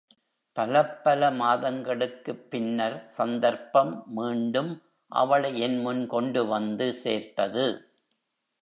பலப்பல மாதங்களுக்குப் பின்னர் சந்தர்ப்பம் மீண்டும் அவளை என் முன் கொண்டு வந்து சேர்த்தது.